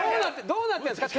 どうなってるんですか？